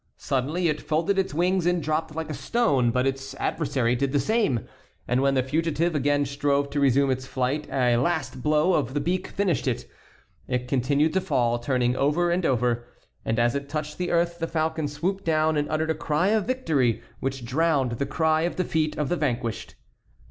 Suddenly it folded its wings and dropped like a stone; but its adversary did the same, and when the fugitive again strove to resume its flight a last blow of the beak finished it; it continued to fall, turning over and over, and as it touched the earth the falcon swooped down and uttered a cry of victory which drowned the cry of defeat of the vanquished.